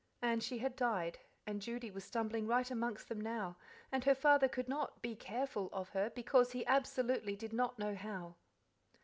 And she had died, and Judy was stumbling right amongst them now, and her father could not "be careful" of her because he absolutely did not know how.